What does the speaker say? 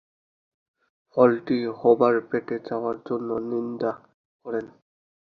ফলটি হবার পেটে যাবার জন্য নিন্দা করেন।